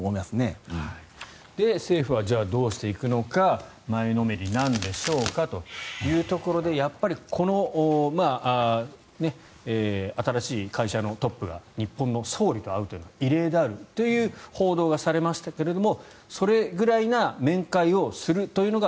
じゃあ政府はどうしていくのか前のめりなんでしょうかというところでやっぱりこの新しい会社のトップが日本の総理と会うのは異例であるという報道はされましたけどもそれくらいな面会をするというのが